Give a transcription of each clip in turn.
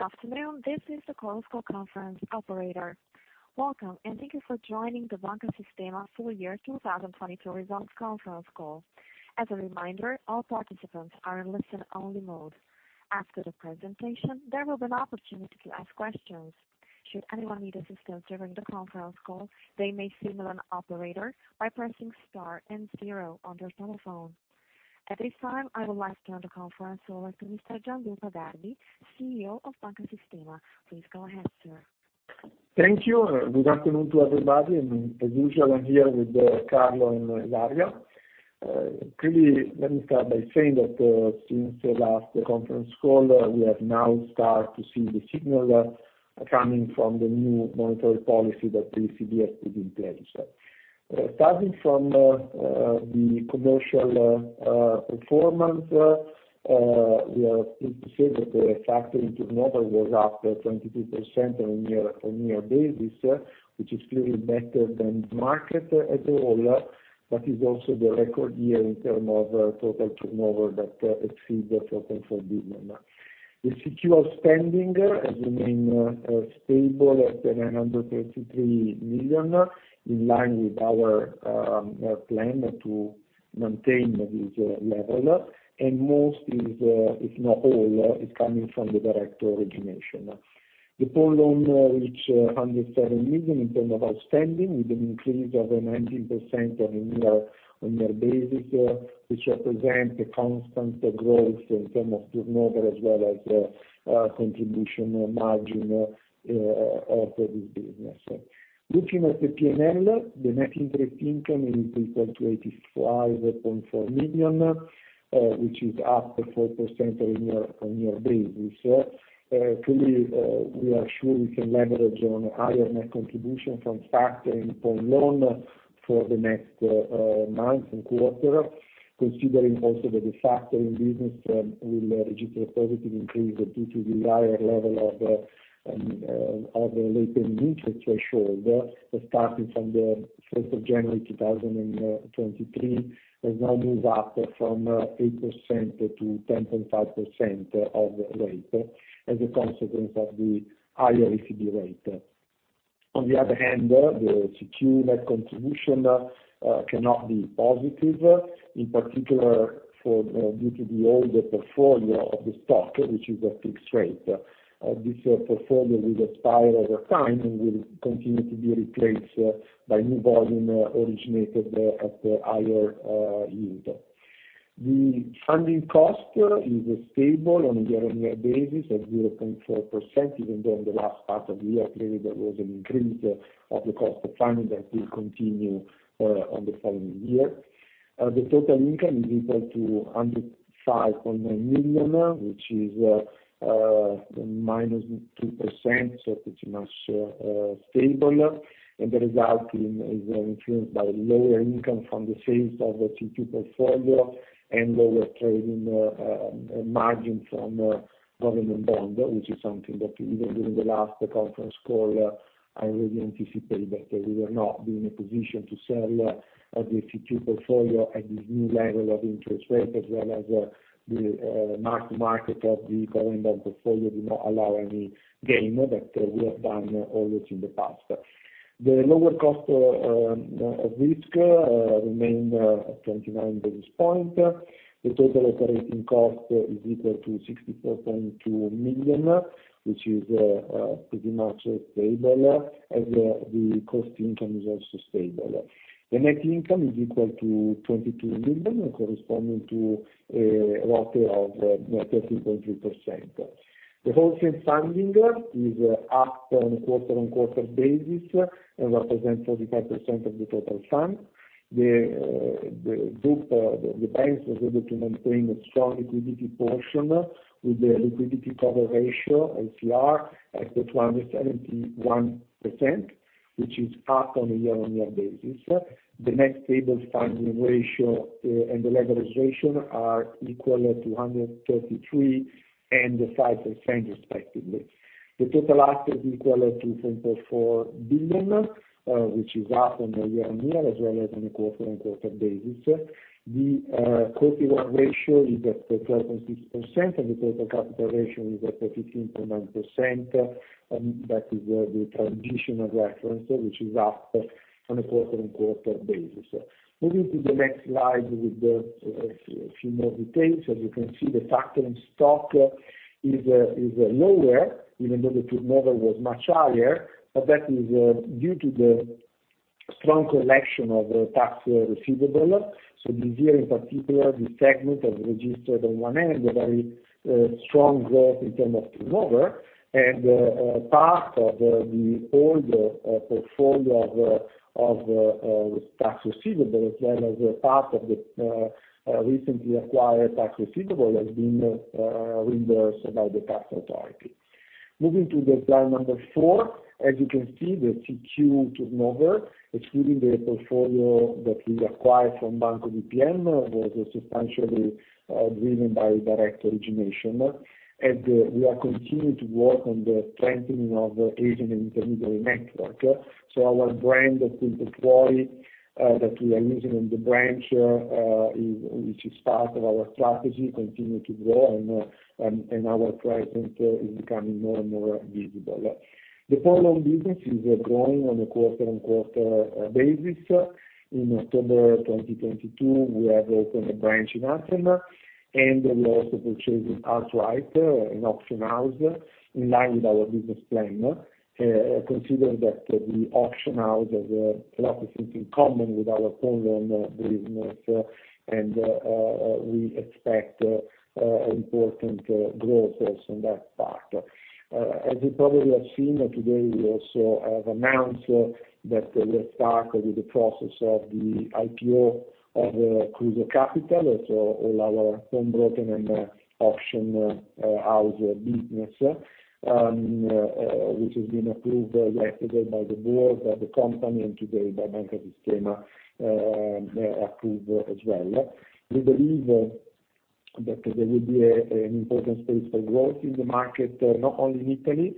Good afternoon, this is the conference call operator. Welcome, and thank you for joining the Banca Sistema Full Year 2022 Results Conference Call. As a reminder, all participants are in listen-only mode. After the presentation, there will be an opportunity to ask questions. Should anyone need assistance during the conference call, they may signal an operator by pressing star and zero on their telephone. At this time, I would like to turn the conference over to Mr. Gianluca Garbi, CEO of Banca Sistema. Please go ahead, sir. Thank you. Good afternoon to everybody, and as usual, I'm here with Carlo and Ilaria. Clearly, let me start by saying that since the last conference call, we have now started to see the signal coming from the new monetary policy that the ECB has put in place. Starting from the commercial performance, we are pleased to say that the factoring turnover was up 22% on a year-on-year basis, which is clearly better than the market as a whole. That is also the record year in terms of total turnover that exceeds 1 billion. The secured funding has remained stable at 933 million, in line with our plan to maintain this level, and most is, if not all, coming from the direct origination. The portfolio, which 107 million in terms of outstanding, with an increase of 19% on a year-on-year basis, which represent a constant growth in terms of turnover as well as, contribution margin, of the business. Looking at the P&L, the net interest income is equal to 85.4 million, which is up 4% on a year-on-year basis. Clearly, we are sure we can leverage on higher net contribution from factoring per loan for the next months and quarter, considering also that the factoring business will register a positive increase due to the higher level of the late payment interest threshold, starting from the first of January, 2023, has now moved up from 8% to 10.5% of rate as a consequence of the higher ECB rate. On the other hand, the leasing net contribution cannot be positive, in particular for due to the older portfolio of the stock, which is a fixed rate. This portfolio will expire over time and will continue to be replaced by new volume originated at the higher yield. The funding cost is stable on a year-on-year basis at 0.4%, even though in the last part of the year, clearly there was an increase of the cost of funding that will continue on the following year. The total income is equal to 105.9 million, which is minus 2%, so pretty much stable. The resulting is influenced by lower income from the sales of the CCT portfolio and lower trading margin from government bond, which is something that even during the last conference call, I already anticipated that we were not in a position to sell the CCT portfolio at this new level of interest rate, as well as the mark-to-market of the current bond portfolio do not allow any gain that we have done always in the past. The lower cost of risk remained at 29 basis points. The total operating cost is equal to 64.2 million, which is pretty much stable, as the cost-to-income is also stable. The net income is equal to 22 million, corresponding to a rate of 13.3%. The wholesale funding is up on a quarter-on-quarter basis and represents 45% of the total funding. The Group, the Bank was able to maintain a strong liquidity position with the liquidity coverage ratio, LCR, at 271%, which is up on a year-on-year basis. The Net Stable Funding Ratio and the leverage ratio are equal to 133% and 5% respectively. The total assets is equal to 3.4 billion, which is up on a year-on-year as well as on a quarter-on-quarter basis. The total ratio is at 13.6%, and the total capitalization is at 15.9%, and that is the transitional reference, which is up on a quarter-on-quarter basis. Moving to the next slide with a few more details. As you can see, the factoring stock is lower, even though the turnover was much higher, but that is due to the strong collection of the tax receivable. This year, in particular, this segment has registered on one end, a very strong growth in terms of turnover, and part of the older portfolio of tax receivable, as well as a part of the recently acquired tax receivable, has been reimbursed by the tax authority. Moving to the slide number 4, as you can see, the CQ turnover, excluding the portfolio that we acquired from Banco BPM, was substantially driven by direct origination. We are continuing to work on the strengthening of agent and intermediary network. Our brand of QuintoPuoi, that we are using in the branch, which is part of our strategy, continue to grow and our presence is becoming more and more visible. The pawn business is growing on a quarter-on-quarter basis. In October 2022, we have opened a branch in Athens, and we also purchased Art-Rite, an auction house, in line with our business plan. Considering that the auction house has a lot of things in common with our pawn loan business, and we expect important growth also on that part. As you probably have seen, today, we also have announced that we have started with the process of the IPO of Kruso Kapital. So all our pawn broking and auction house business, which has been approved yesterday by the board, by the company, and today by Banca Sistema, approved as well. We believe that there will be an important space for growth in the market, not only in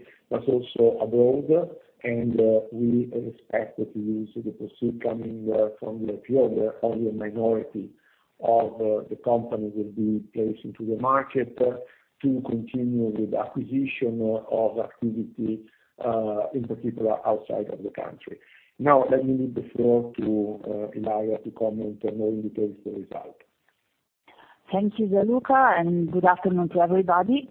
Italy, but also abroad. We expect that we will see the proceeds coming from the IPO, where only a minority of the company will be placed into the market to continue with acquisition of activity, in particular, outside of the country. Now, let me leave the floor to Ilaria to comment on more in detail the result. Thank you, Gianluca, and good afternoon to everybody.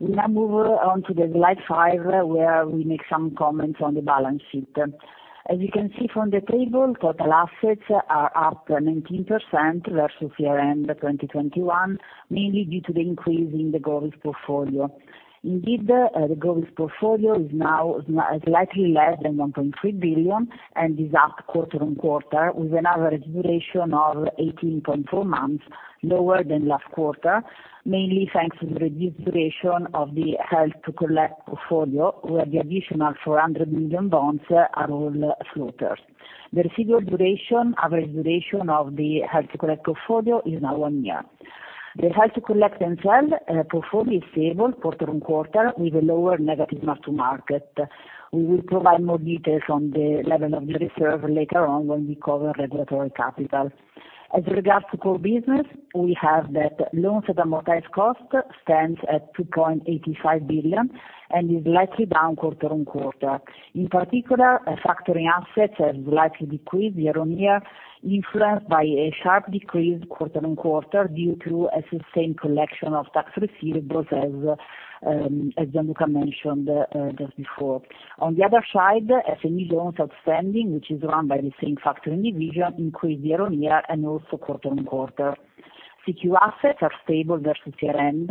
We now move on to slide 5, where we make some comments on the balance sheet. As you can see from the table, total assets are up 19% versus year-end 2021, mainly due to the increase in the growth portfolio. Indeed, the growth portfolio is now slightly less than 1.3 billion and is up quarter-on-quarter, with an average duration of 18.4 months, lower than last quarter. Mainly thanks to the reduced duration of the held-to-collect portfolio, where the additional 400 million bonds are all floaters. The residual duration, average duration of the held-to-collect portfolio is now 1 year. The held-to-collect and sell portfolio is stable quarter-on-quarter, with a lower negative mark-to-market. We will provide more details on the level of the reserve later on when we cover regulatory capital. As regards to core business, we have that loans at amortized cost stands at 2.85 billion and is likely down quarter-on-quarter. In particular, factoring assets have likely decreased year-on-year, influenced by a sharp decrease quarter-on-quarter, due to a sustained collection of tax receivables, as Gianluca mentioned just before. On the other side, SME loans outstanding, which is run by the same factoring division, increased year-on-year and also quarter-on-quarter. CQ assets are stable versus year-end,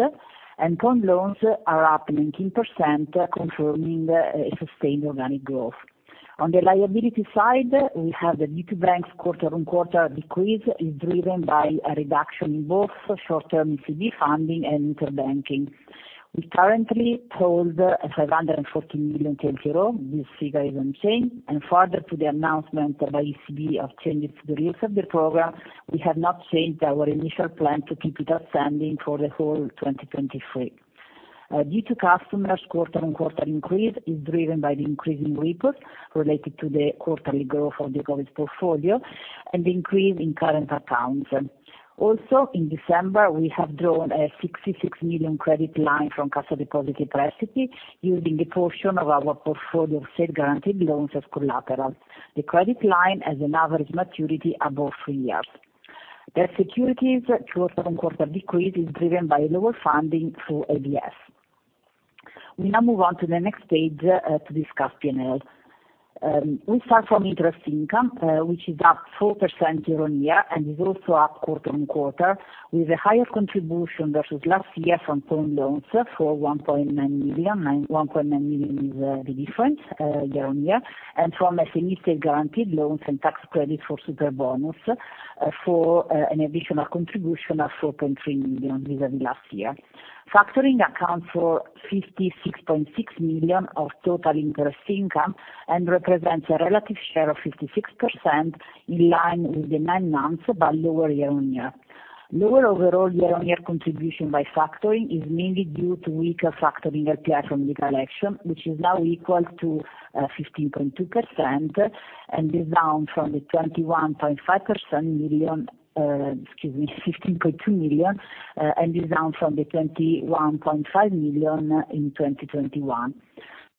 and term loans are up 19%, confirming sustained organic growth. On the liability side, we have the due to banks quarter-on-quarter decrease is driven by a reduction in both short-term ECB funding and interbanking. We currently hold 514 million TLTRO. This figure is unchanged, and further to the announcement by ECB of changes to the rates of the program, we have not changed our initial plan to keep it outstanding for the whole 2023. Due to customers, quarter-on-quarter increase is driven by the increase in repos related to the quarterly growth of the COVID portfolio and the increase in current accounts. Also, in December, we have drawn a 66 million credit line from Cassa Depositi e Prestiti, using the portion of our portfolio of state-guaranteed loans as collateral. The credit line has an average maturity above 3 years. The securities quarter-on-quarter decrease is driven by lower funding through ABS. We now move on to the next page to discuss P&L. We start from interest income, which is up 4% year-on-year, and is also up quarter-on-quarter, with a higher contribution versus last year from term loans for 1.9 million. 1.9 million is the difference year-on-year. And from SME state-guaranteed loans and tax credit for Superbonus for an additional contribution of 4.3 million vis-à-vis last year. Factoring accounts for 56.6 million of total interest income, and represents a relative share of 56% in line with the nine months, but lower year-on-year. Lower overall year-on-year contribution by factoring is mainly due to weaker factoring LPI from the collection, which is now equal to 15.2%, and is down from the 21.5% million, excuse me, 15.2 million, and is down from the 21.5 million in 2021.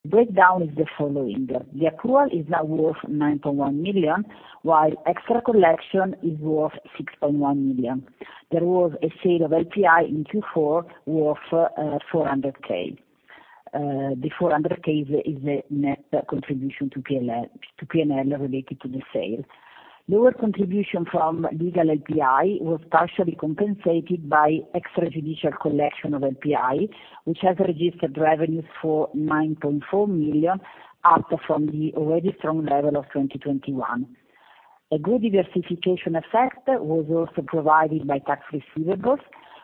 Breakdown is the following: The accrual is now worth 9.1 million, while extra collection is worth 6.1 million. There was a sale of LPI in Q4 worth 400K. The 400K is the net contribution to PL- to P&L related to the sale. Lower contribution from legal LPI was partially compensated by extra-judicial collection of LPI, which has registered revenues for 9.4 million, up from the already strong level of 2021.... A good diversification effect was also provided by tax receivables,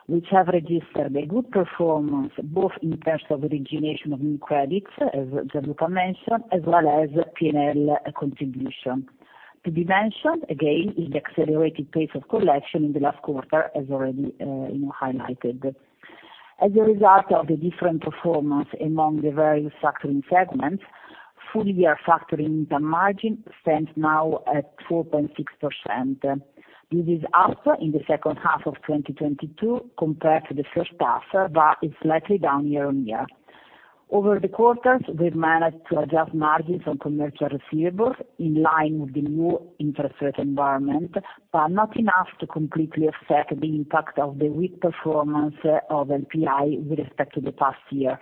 which have registered a good performance, both in terms of origination of new credits, as Gianluca mentioned, as well as PNL contribution. To be mentioned, again, is the accelerated pace of collection in the last quarter, as already highlighted. As a result of the different performance among the various factoring segments, full-year factoring income margin stands now at 4.6%. This is up in the second half of 2022 compared to the first half, but it's slightly down year-on-year. Over the quarters, we've managed to adjust margins on commercial receivables in line with the new interest rate environment, but not enough to completely offset the impact of the weak performance of LPI with respect to the past year,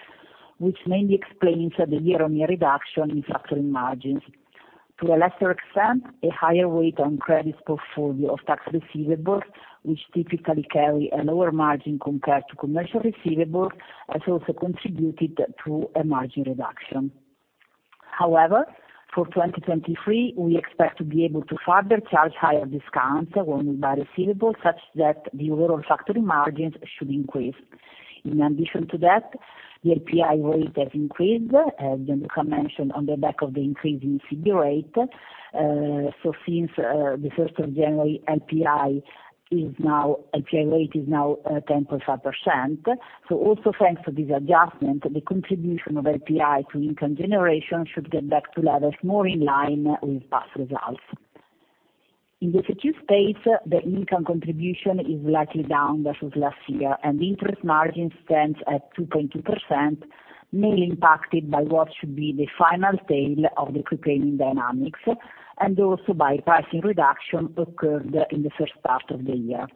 which mainly explains the year-on-year reduction in factoring margins. To a lesser extent, a higher weight on credits portfolio of tax receivables, which typically carry a lower margin compared to commercial receivables, has also contributed to a margin reduction. However, for 2023, we expect to be able to further charge higher discounts on by receivables, such that the overall factoring margins should increase. In addition to that, the LPI rate has increased, as Gianluca mentioned, on the back of the increase in ECB rate. So since the first of January, LPI rate is now 10.5%. So also thanks to this adjustment, the contribution of LPI to income generation should get back to levels more in line with past results. In the CQ space, the income contribution is slightly down versus last year, and the interest margin stands at 2.2%, mainly impacted by what should be the final tail of the prepaying dynamics, and also by pricing reduction occurred in the first part of the year.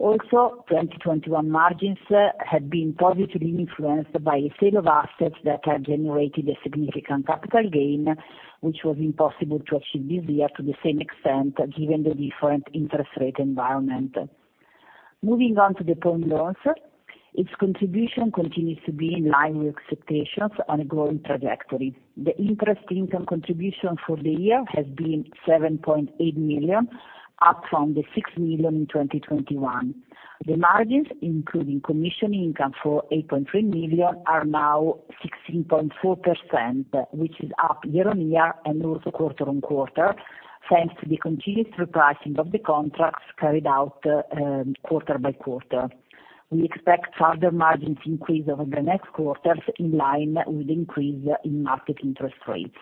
Also, 2021 margins had been positively influenced by a sale of assets that had generated a significant capital gain, which was impossible to achieve this year to the same extent, given the different interest rate environment. Moving on to the term loans, its contribution continues to be in line with expectations on a growing trajectory. The interest income contribution for the year has been 7.8 million, up from the 6 million in 2021. The margins, including commission income for 8.3 million, are now 16.4%, which is up year-on-year and also quarter-on-quarter, thanks to the continued repricing of the contracts carried out quarter by quarter. We expect further margins increase over the next quarters, in line with the increase in market interest rates.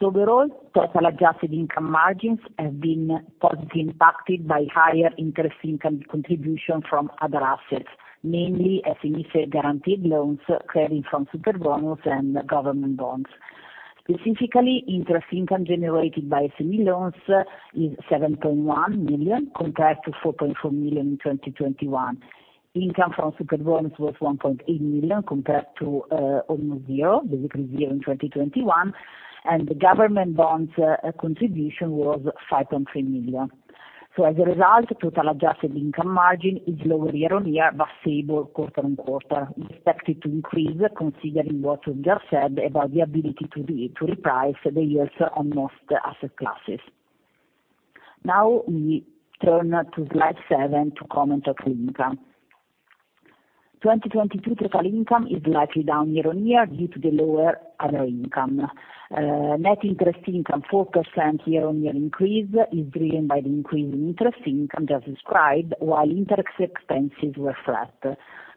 So overall, total adjusted income margins have been positively impacted by higher interest income contribution from other assets, mainly a significant guaranteed loans carrying from Superbonus and government bonds. Specifically, interest income generated by SME loans is 7.1 million, compared to 4.4 million in 2021. Income from Superbonus was 1.8 million, compared to almost zero, basically zero in 2021, and the government bonds contribution was 5.3 million. So as a result, total adjusted income margin is lower year-on-year, but stable quarter-on-quarter, expected to increase considering what we just said about the ability to reprice the yields on most asset classes. Now, we turn to slide 7 to comment on income. 2022 total income is slightly down year-on-year due to the lower other income. Net interest income, 4% year-on-year increase, is driven by the increase in interest income just described, while interest expenses were flat.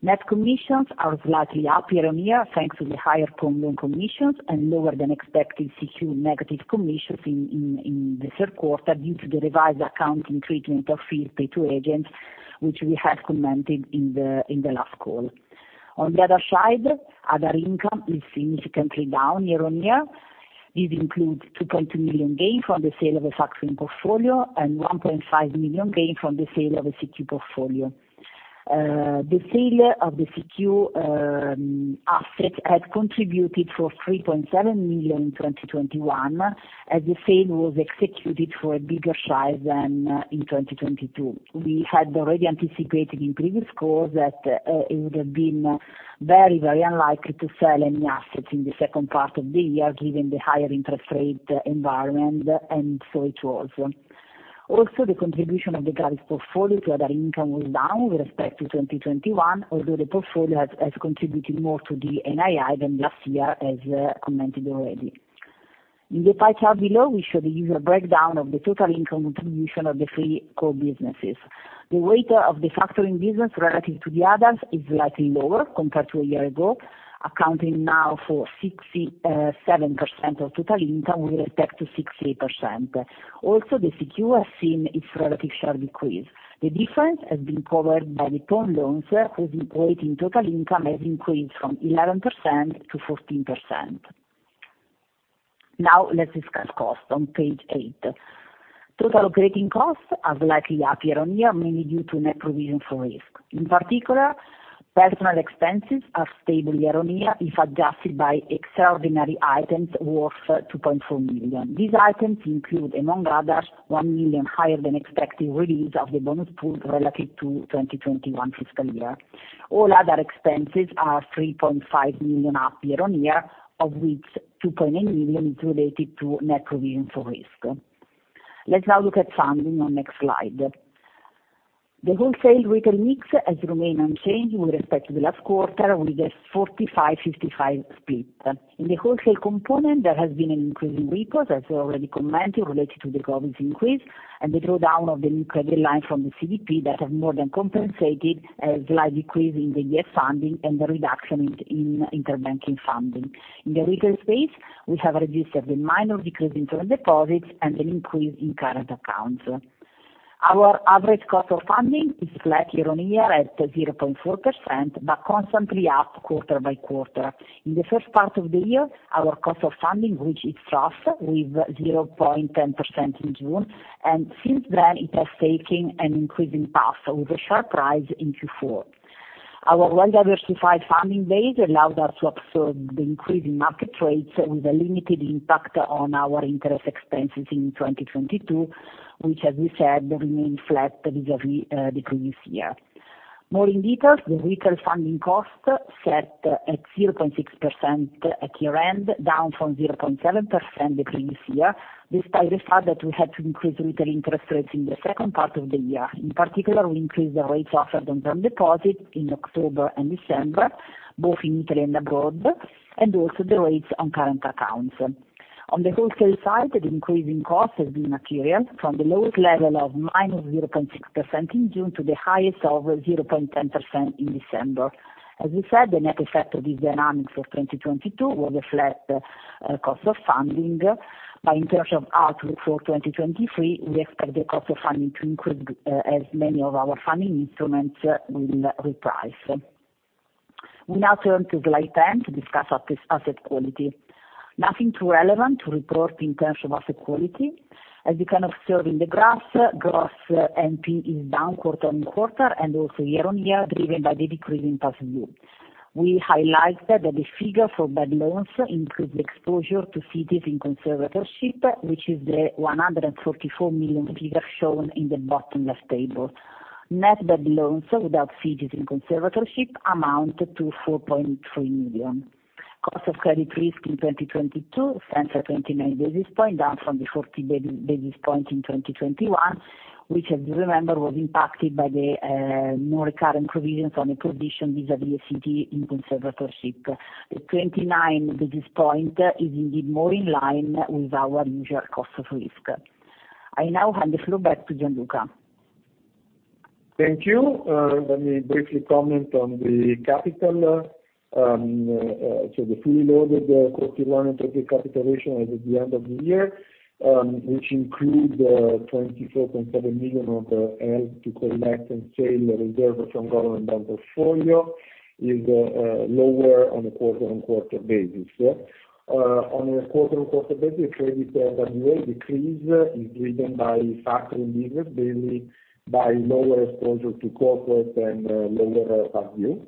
Net commissions are slightly up year-on-year, thanks to the higher term loan commissions and lower than expected CQ negative commissions in the third quarter, due to the revised accounting treatment of fees paid to agents, which we have commented in the last call. On the other side, other income is significantly down year-on-year. This includes 2.2 million gain from the sale of a factoring portfolio and 1.5 million gain from the sale of a CQ portfolio. The sale of the CQ asset had contributed for 3.7 million in 2021, as the sale was executed for a bigger size than in 2022. We had already anticipated in previous calls that it would have been very, very unlikely to sell any assets in the second part of the year, given the higher interest rate environment, and so it was. Also, the contribution of the Govies portfolio to other income was down with respect to 2021, although the portfolio has contributed more to the NII than last year, as commented already. In the pie chart below, we show the user breakdown of the total income contribution of the three core businesses. The weight of the factoring business relative to the others is slightly lower compared to a year ago, accounting now for 67% of total income with respect to 60%. Also, the leasing has seen its relative share decrease. The difference has been covered by the term loans, whose weight in total income has increased from 11% to 14%. Now, let's discuss costs on page 8. Total operating costs are slightly up year-on-year, mainly due to net provision for risk. In particular, personnel expenses are stable year-on-year, if adjusted by extraordinary items worth 2.4 million. These items include, among others, 1 million higher than expected release of the bonus pool relative to 2021 fiscal year. All other expenses are 3.5 million up year-on-year, of which 2.8 million is related to net provision for risk. Let's now look at funding on next slide. The wholesale retail mix has remained unchanged with respect to the last quarter, with a 45-55 split. In the wholesale component, there has been an increase in repos, as already commented, related to the government's increase, and the drawdown of the new credit line from the CDP that have more than compensated a slight decrease in the year funding and the reduction in interbank funding. In the retail space, we have registered a minor decrease in term deposits and an increase in current accounts. Our average cost of funding is flat year-on-year at 0.4%, but constantly up quarter-by-quarter. In the first part of the year, our cost of funding, which is flat with 0.1% in June, and since then it has taken an increasing path, with a sharp rise in Q4. Our well-diversified funding base allowed us to absorb the increase in market rates with a limited impact on our interest expenses in 2022, which, as we said, remained flat vis-à-vis the previous year. More in detail, the retail funding cost set at 0.6% at year-end, down from 0.7% the previous year, despite the fact that we had to increase retail interest rates in the second part of the year. In particular, we increased the rates offered on term deposits in October and December, both in Italy and abroad, and also the rates on current accounts. On the wholesale side, the increase in cost has been material, from the lowest level of -0.6% in June to the highest of 0.1% in December. As we said, the net effect of these dynamics for 2022 was a flat cost of funding, but in terms of outlook for 2023, we expect the cost of funding to increase as many of our funding instruments will reprice. We now turn to slide 10 to discuss asset quality. Nothing too relevant to report in terms of asset quality. As you can observe in the graphs, gross NP is down quarter-on-quarter and also year-on-year, driven by the decrease in past due. We highlighted that the figure for bad loans includes exposure to cities in conservatorship, which is the 144 million figure shown in the bottom left table. Net bad loans without cities in conservatorship amount to 4.3 million. Cost of credit risk in 2022 stands at 29 basis point, down from the 14 basis points in 2021, which, as you remember, was impacted by the more recurrent provisions on the provision vis-à-vis a city in conservatorship. The 29 basis point is indeed more in line with our usual cost of risk. I now hand the floor back to Gianluca. Thank you. Let me briefly comment on the capital. So the fully loaded core tier one total capitalization as at the end of the year, which includes 24.7 million of the held to collect and sell reserve from government bond portfolio, is lower on a quarter-on-quarter basis. On a quarter-on-quarter basis, credit RWA decrease is driven by factoring business, mainly by lower exposure to corporate and lower past due.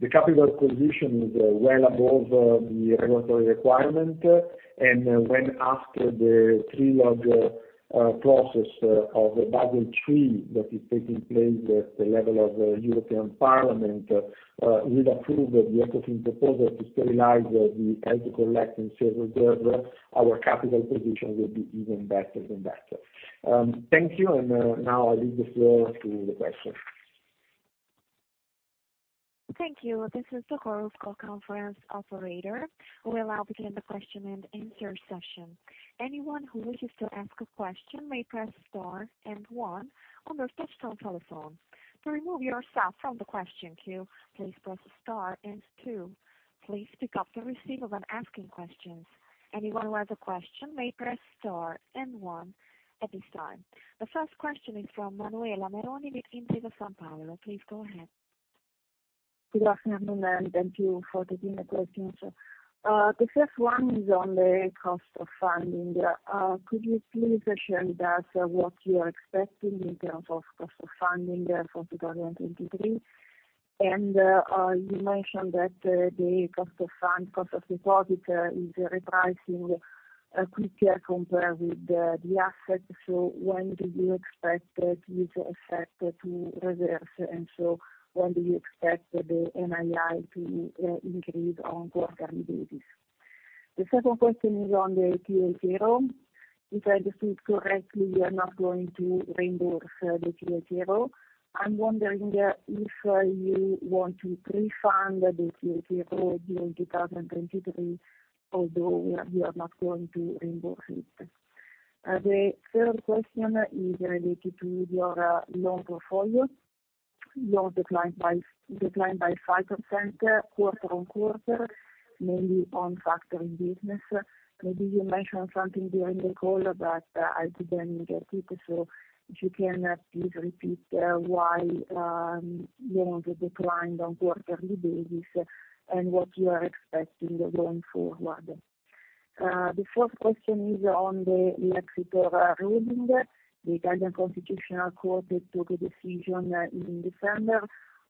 The capital position is well above the regulatory requirement, and when after the three-leg process of Basel III that is taking place at the level of the European Parliament, we've approved the Ecofin proposal to sterilize the held to collect and sell reserve, our capital position will be even better and better. Thank you, and now I leave the floor to the question. Thank you. This is the call conference operator. We'll now begin the question and answer session. Anyone who wishes to ask a question may press star and one on their touchtone telephone. To remove yourself from the question queue, please press star and two. Please pick up the receiver when asking questions. Anyone who has a question may press star and one at this time. The first question is from Manuela Meroni with Intesa Sanpaolo. Please go ahead. Good afternoon, and thank you for taking the questions. The first one is on the cost of funding. Could you please share with us what you are expecting in terms of cost of funding for 2023? You mentioned that the cost of fund, cost of deposit, is repricing quicker compared with the assets. So when do you expect that this effect to reverse, and so when do you expect the NII to increase on quarterly basis? The second question is on the TLTRO. If I understood correctly, you are not going to reimburse the TLTRO. I'm wondering if you want to pre-fund the TLTRO during 2023, although you are not going to reimburse it. The third question is related to your loan portfolio. Loans declined by five percent quarter-on-quarter, mainly on factoring business. Maybe you mentioned something during the call, but I didn't get it, so if you can please repeat why loans declined on quarterly basis and what you are expecting going forward. The fourth question is on the Lexitor ruling. The Italian Constitutional Court took a decision in December.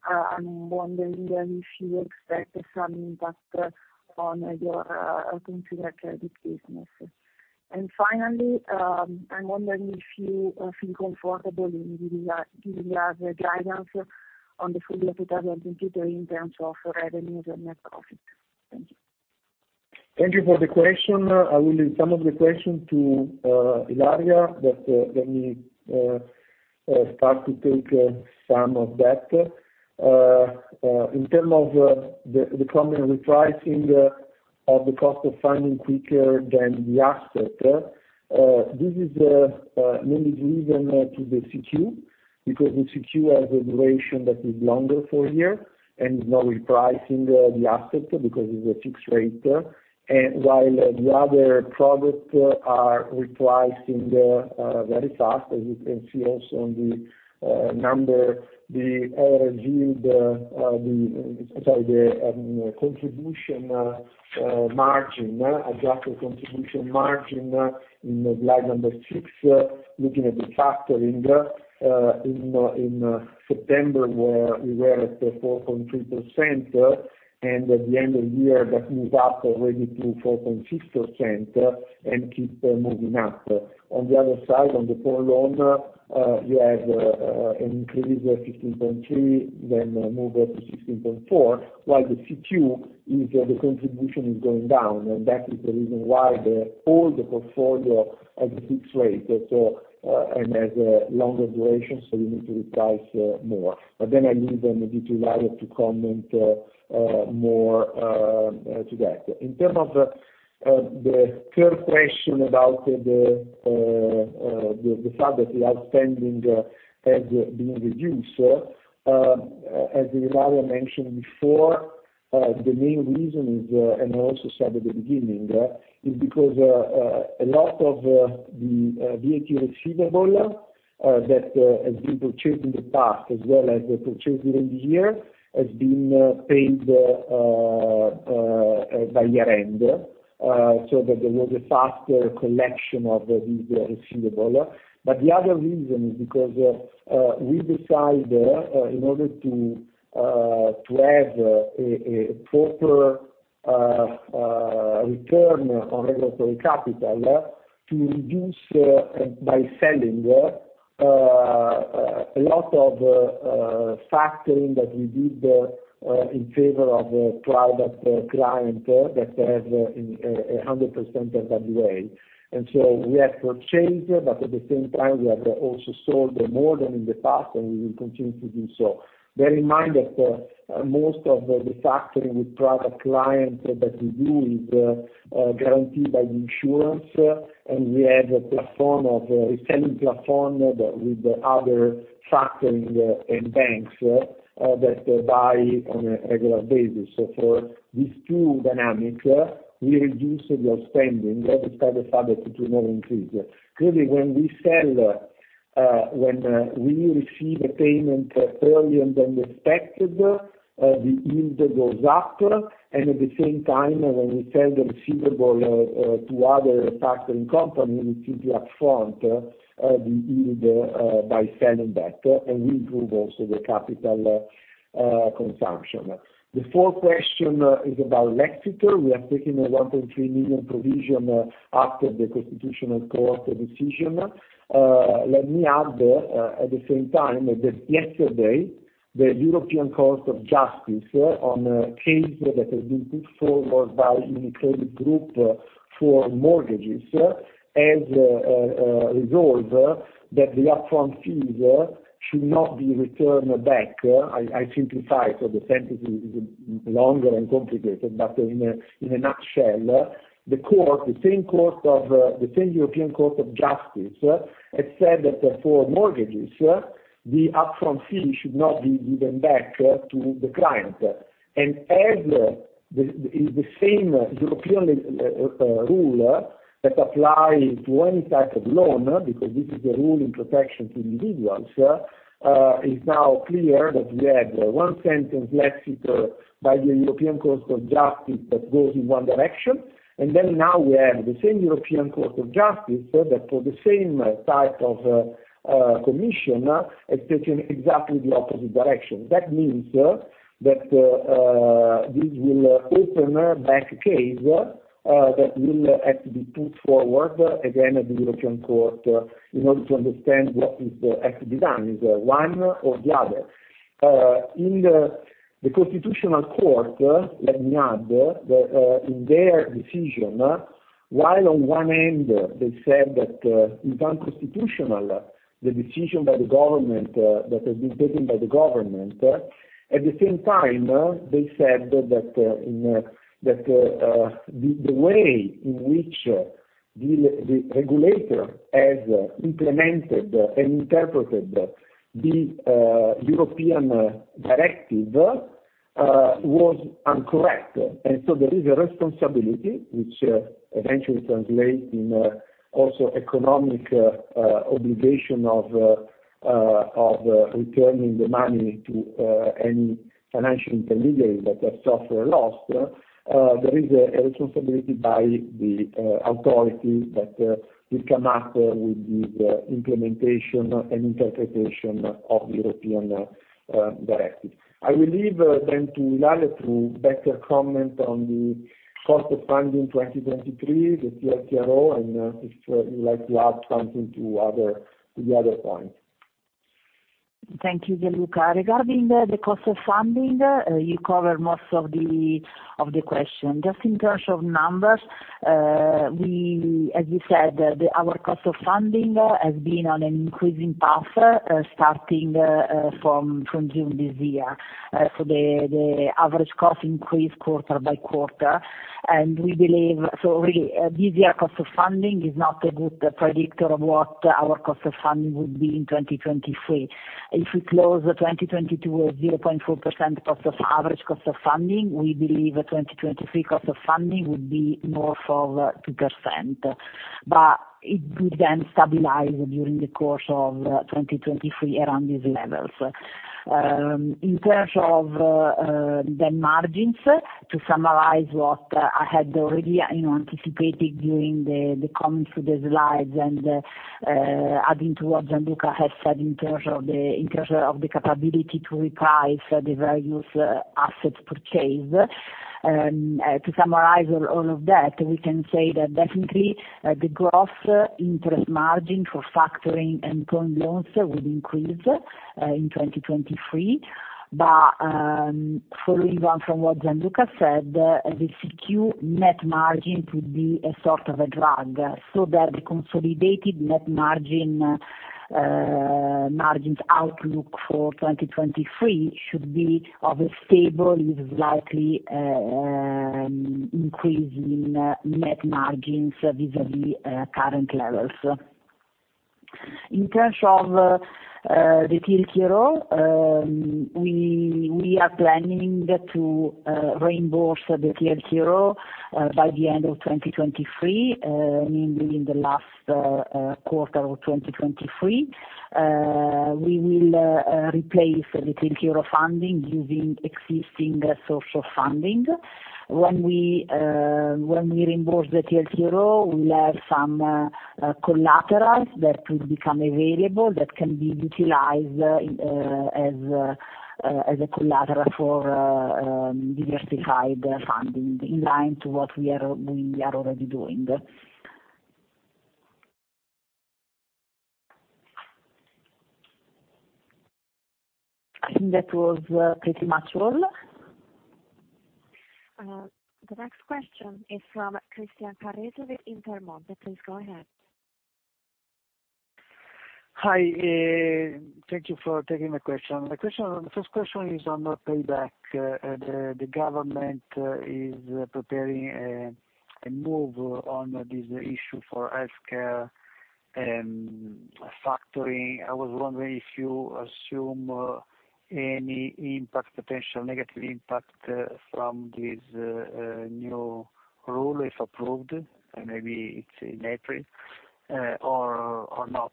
I'm wondering if you expect some impact on your consumer credit business. And finally, I'm wondering if you feel comfortable in giving us, giving us a guidance on the full 2023 in terms of revenues and net profit. Thank you. ... Thank you for the question. I will leave some of the question to Ilaria, but let me start to take some of that. In terms of the common repricing of the cost of funding quicker than the asset, this is mainly driven to the CQ, because the CQ has a duration that is longer for here, and no repricing the asset because it's a fixed rate. While the other products are repricing very fast, as you can see also on the number, the average yield, sorry, the contribution margin, adjusted contribution margin in the slide number 6, looking at the factoring in September, where we were at 4.3%, and at the end of the year, that moved up already to 4.6%, and keep moving up. On the other side, on the pawn loan, you have an increase of 15.3%, then move up to 16.4%, while the CQ is, the contribution is going down, and that is the reason why all the portfolio at a fixed rate, so, and has a longer duration, so you need to reprice more. But then I leave them it to Ilaria to comment more to that. In terms of the third question about the fact that the outstanding has been reduced. So, as Ilaria mentioned before, the main reason is, and I also said at the beginning, is because a lot of the V8 receivable that has been purchased in the past, as well as purchased during the year, has been paid by year-end, so that there was a faster collection of the receivable. But the other reason is because we decide in order to have a proper return on regulatory capital to reduce by selling a lot of factoring that we did in favor of a private client that has 100% of the way. And so we have to change, but at the same time, we have also sold more than in the past, and we will continue to do so. Bear in mind that most of the factoring with private clients that we do is guaranteed by the insurance, and we have a platform of, a selling platform that with the other factoring and banks that buy on a regular basis. So for these two dynamics, we reduce the outstanding, that is for the fact to not increase. Clearly, when we sell, when we receive a payment earlier than expected, the yield goes up, and at the same time, when we sell the receivable to other factoring company, we receive the upfront, the yield, by selling back, and we improve also the capital consumption. The fourth question is about Lexitor. We are taking a 1.3 million provision after the constitutional court decision. Let me add, at the same time, that yesterday, the European Court of Justice on a case that has been put forward by Unicredit Group for mortgages, has resolved that the upfront fees should not be returned back. I simplify, so the sentence is longer and complicated, but in a nutshell, the court, the same court of the same European Court of Justice, has said that for mortgages, the upfront fee should not be given back to the client. And as the same European rule that apply to any type of loan, because this is a rule in protection to individuals, is now clear that we have one sentence Lexitor by the European Court of Justice that goes in one direction, and then now we have the same European Court of Justice that for the same type of commission, has taken exactly the opposite direction. That means, that, this will open back case, that will have to be put forward again at the European Court in order to understand what is has to be done, is one or the other. In the, the Constitutional Court, let me add, that, in their decision, while on one end they said that, it's unconstitutional, the decision by the government, that has been taken by the government, at the same time, they said that, in, that, the, the way in which the, the regulator has implemented and interpreted the, European directive, was incorrect. And so there is a responsibility, which, eventually translate in, also economic, obligation of, of returning the money to, any financial individuals that have suffered a loss. There is a responsibility by the authority that will come up with the implementation and interpretation of the European directive. I will leave then to Ilaria to better comment on the cost of funding 2023, the TLTRO, and if you'd like to add something to other, to the other points.... Thank you, Gianluca. Regarding the cost of funding, you covered most of the question. Just in terms of numbers, we, as you said, our cost of funding has been on an increasing path, starting from June this year. So the average cost increased quarter by quarter, and we believe— so really, this year cost of funding is not a good predictor of what our cost of funding would be in 2023. If we close the 2022 with 0.4% cost of average cost of funding, we believe the 2023 cost of funding would be more of 2%. But it would then stabilize during the course of 2023 around these levels. In terms of the margins, to summarize what I had already, you know, anticipated during the comments through the slides and adding to what Gianluca has said in terms of the capability to reprice the various assets purchased. To summarize all of that, we can say that definitely the gross interest margin for factoring and term loans will increase in 2023. But following on from what Gianluca said, the CQ net margin could be a sort of a drag, so that the consolidated net margins outlook for 2023 should be of a stable, slightly increase in net margins vis-à-vis current levels. In terms of the TLTRO, we are planning to reimburse the TLTRO by the end of 2023, in the last quarter of 2023. We will replace the TLTRO funding using existing source of funding. When we reimburse the TLTRO, we'll have some collaterals that will become available, that can be utilized as a collateral for diversified funding, in line to what we are already doing. I think that was pretty much all. The next question is from Christian Carrese with Intermonte. Please go ahead. Hi, thank you for taking my question. My question, the first question is on payback. The government is preparing a move on this issue for healthcare factoring. I was wondering if you assume any impact, potential negative impact from this new rule, if approved, and maybe it's in April, or not.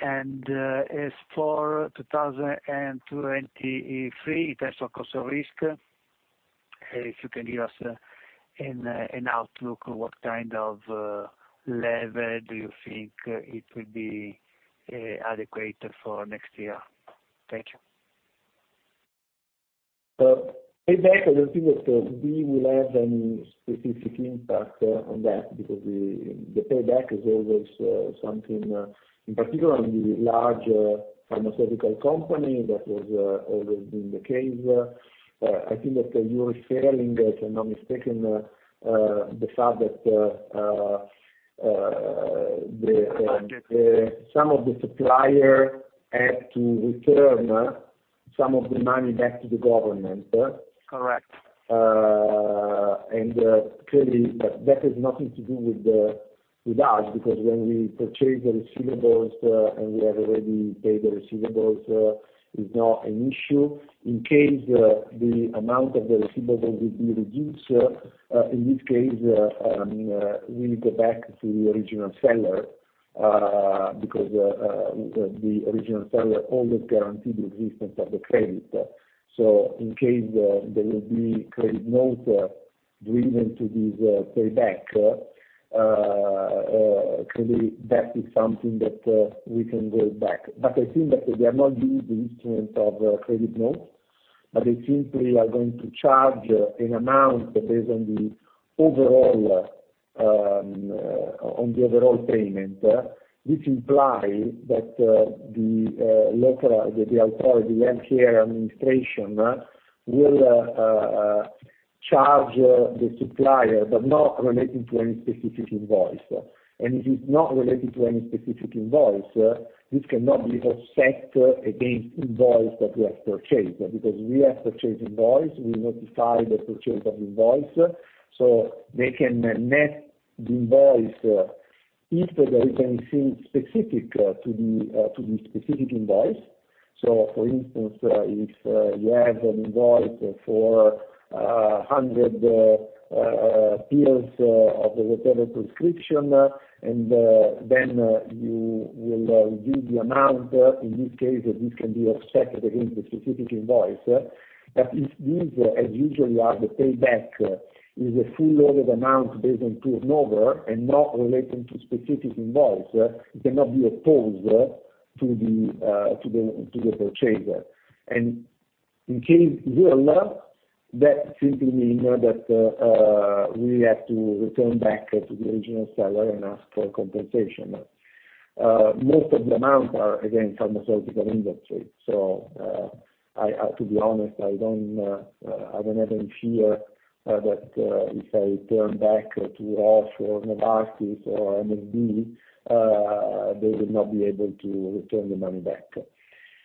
And, as for 2023, in terms of cost of risk, if you can give us an outlook on what kind of level do you think it will be adequate for next year? Thank you. Payback, I don't think that we will have any specific impact on that because the payback is always something in particular in the large pharmaceutical company that has always been the case. I think that you are referring, if I'm not mistaken, to the fact that some of the suppliers had to return some of the money back to the government. Correct. And, clearly, that has nothing to do with us, because when we purchase the receivables, and we have already paid the receivables, it's not an issue. In case the amount of the receivables will be reduced, in this case, we go back to the original seller, because the original seller always guarantee the existence of the credit. So in case there will be credit note driven to this payback, clearly that is something that we can go back. But I think that they are not using the instrument of credit notes, but they simply are going to charge an amount that is on the overall, on the overall payment. Which imply that the local authority, the healthcare administration, will charge the supplier, but not relating to any specific invoice. If it's not relating to any specific invoice, this cannot be offset against invoice that we have purchased. Because we have purchased invoice, we notify the purchase of invoice, so they can net the invoice if there is anything specific to the specific invoice. So for instance, if you have an invoice for 100 pills of the whatever prescription, and then you will give the amount, in this case, this can be offset against the specific invoice. But if this, as usually are, the payback is a full amount based on turnover and not relating to specific invoice, it cannot be opposed to the purchaser. In case we are not, that simply mean that we have to return back to the original seller and ask for compensation. Most of the amounts are, again, pharmaceutical industry. So, I, to be honest, I don't have any fear that if I turn back to Roche or Novartis or MSD, they would not be able to return the money back.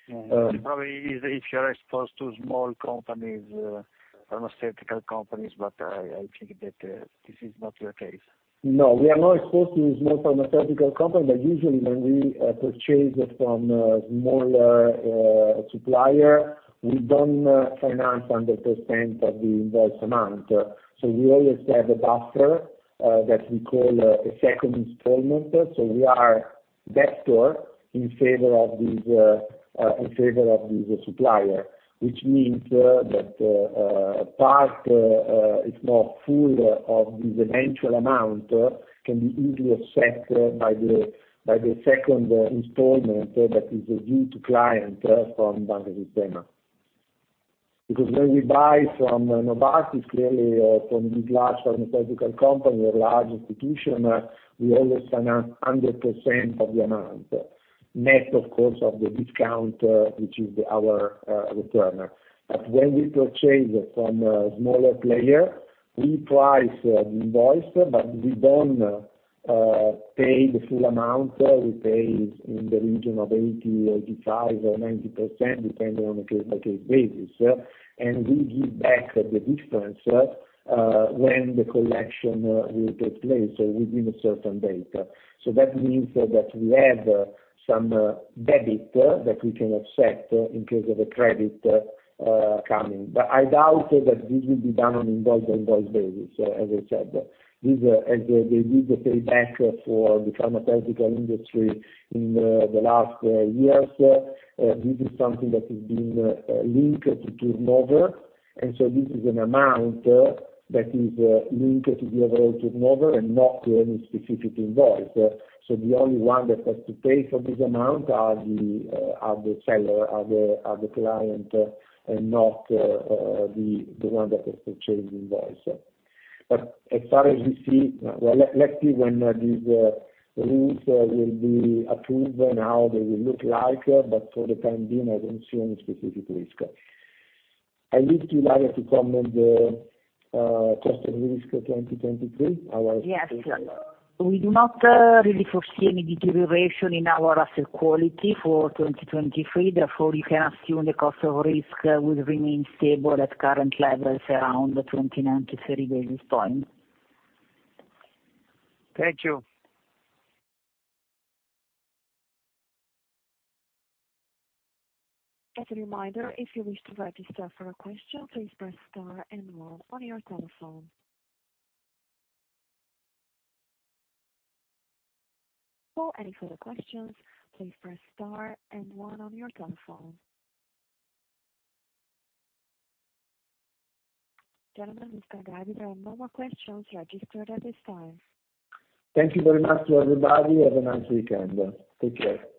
Mm-hmm. Probably if you are exposed to small companies, pharmaceutical companies, but I, I think that, this is not your case. No, we are not exposed to small pharmaceutical companies, but usually when we purchase from smaller supplier, we don't finance 100% of the invoice amount. So we always have a buffer that we call a second installment. So we are debtor in favor of these in favor of the supplier, which means that a part if not full of this eventual amount can be easily offset by the by the second installment that is due to client from Banca Sistema. Because when we buy from Novartis, clearly from these large pharmaceutical company or large institution, we always finance 100% of the amount, net, of course, of the discount, which is our return. But when we purchase from a smaller player, we price the invoice, but we don't pay the full amount. We pay in the region of 80, 85 or 90%, depending on a case-by-case basis, and we give back the difference when the collection will take place, so within a certain date. So that means that we have some debit that we can offset in case of a credit coming. But I doubt that this will be done on invoice-by-invoice basis, as I said. This, as they did the payback for the pharmaceutical industry in the last years, this is something that is being linked to turnover, and so this is an amount that is linked to the overall turnover and not to any specific invoice. So the only one that has to pay for this amount are the seller, the client, and not the one that has purchased the invoice. But as far as we see... Well, let's see when these rules will be approved and how they will look like, but for the time being, I don't see any specific risk. I leave to Ilaria to comment the cost of risk 2023, our- Yes. We do not really foresee any deterioration in our asset quality for 2023. Therefore, you can assume the cost of risk will remain stable at current levels around 29-30 basis points. Thank you. As a reminder, if you wish to register for a question, please press star and one on your telephone. For any further questions, please press star and one on your telephone. Gentlemen, Mr. Garbi, there are no more questions registered at this time. Thank you very much to everybody. Have a nice weekend. Take care.